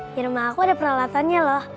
di rumah aku ada peralatannya loh